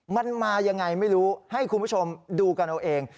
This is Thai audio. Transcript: มันมายังไงไม่รู้ให้คุณผู้ชมดูกันเอาเอง